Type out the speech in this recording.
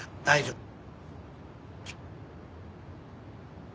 大丈夫。